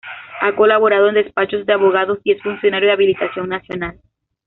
Ha colaborado en despachos de abogados y es funcionario de habilitación nacional.